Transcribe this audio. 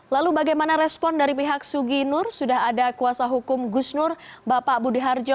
lalu bagaimana respon dari pihak sugi nur sudah ada kuasa hukum gus nur bapak budi harjo